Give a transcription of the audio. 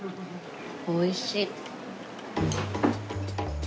おいしい。